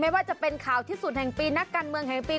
ว่าจะเป็นข่าวที่สุดแห่งปีนักการเมืองแห่งปี